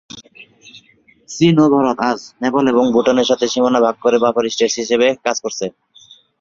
চীন ও ভারত আজ নেপাল এবং ভুটানের সাথে সীমানা ভাগ করে বাফার স্টেটস হিসাবে কাজ করছে।